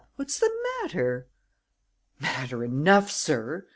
What's the matter?" "Matter enough, sir!"